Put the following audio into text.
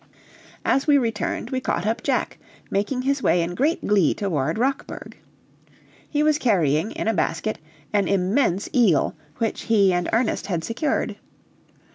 As we returned, we caught up Jack, making his way in great glee toward Rockburg. He was carrying, in a basket, an immense eel, which he and Ernest had secured.